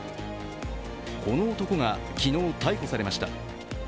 この男が昨日、逮捕されました。